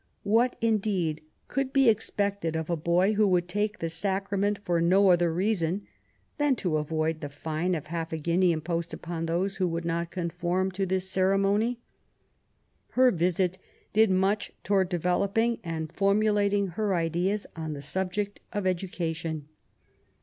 What, indeed^ could be expected of a boy who would take the sacrament for no other reason than to avoid the fine of half a guinea imposed upon those who would not conform to this ceremony ? Her visit did much towards developing and formulating her ideas on the subject of education.